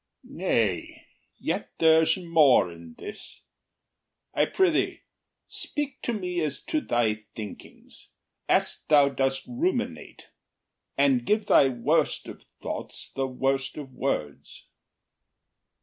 OTHELLO. Nay, yet there’s more in this: I prithee, speak to me as to thy thinkings, As thou dost ruminate, and give thy worst of thoughts The worst of words.